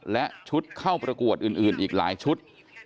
และชุดเข้าประกวดอื่นอีกหลายชุด